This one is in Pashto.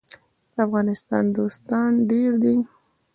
د افغانستان دوستان ډیر دي